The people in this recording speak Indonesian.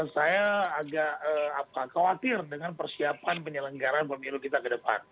saya agak khawatir dengan persiapan penyelenggaran pemilu kita ke depan